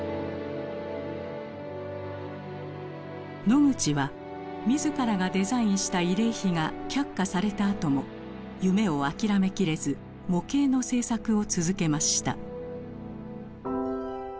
ノグチは自らがデザインした慰霊碑が却下されたあとも夢を諦めきれず模型の制作を続けました。